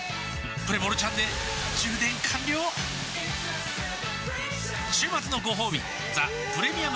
プレモルちゃんで充電完了週末のごほうび「ザ・プレミアム・モルツ」